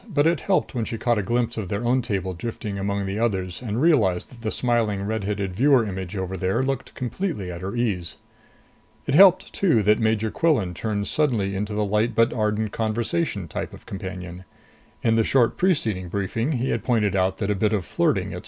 But it helped when she caught a glimpse of their own table drifting by among the others and realized that the smiling red headed viewer image over there looked completely at her ease. It helped, too, that Major Quillan turned suddenly into the light but ardent conversation type of companion. In the short preceding briefing he had pointed out that a bit of flirting, etc.